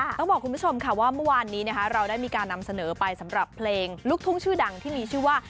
ต้องบอกคุณผู้ชมค่ะว่าเมื่อวานนี้นะคะเราได้มีการนำเสนอไปสำหรับเพลงลูกทุ่งชื่อดังที่มีชื่อว่า